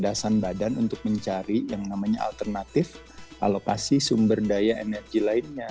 adasan badan untuk mencari yang namanya alternatif alokasi sumber daya energi lainnya